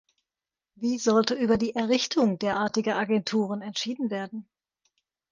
Wie sollte über die Errichtung derartiger Agenturen entschieden werden?